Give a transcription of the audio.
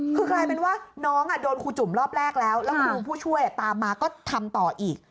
คือกลายเป็นว่าน้องโดนครูจุ่มรอบแรกแล้วแล้วครูผู้ช่วยตามมาก็ทำต่ออีก